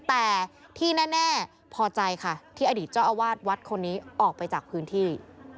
แต่ที่แน่พอใจค่ะที่อดีตเจ้าอาวาสวัดคนนี้ออกไปจากพื้นที่